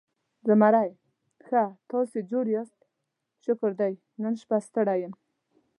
زمری: ښه، تاسې جوړ یاست؟ شکر دی، نن شپه ستړی یم.